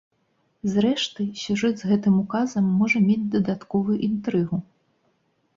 Зрэшты, сюжэт з гэтым указам можа мець дадатковую інтрыгу.